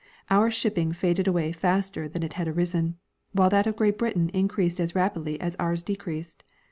Our shipping faded aAvay faster than it had arisen, while that of Great Britain increased as rapidly as ours decreased.